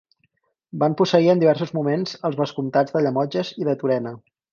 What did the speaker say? Van posseir en diversos moments els vescomtats de Llemotges i de Turena.